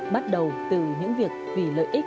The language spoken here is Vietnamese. bắt đầu từ những việc làm tập và làm theo bác